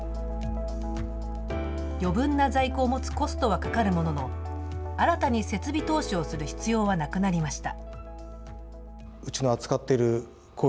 余分な在庫を持つコストはかかるものの、新たに設備投資をする必要はなくなりました。